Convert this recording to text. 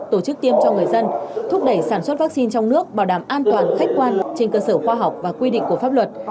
tổ chức tiêm cho người dân thúc đẩy sản xuất vaccine trong nước bảo đảm an toàn khách quan trên cơ sở khoa học và quy định của pháp luật